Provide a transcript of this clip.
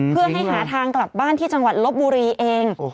เพื่อให้หาทางกลับบ้านที่จังหวัดลบบุรีเอง